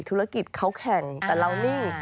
ธุรกิจเขาแข่งแต่เรานิ่ง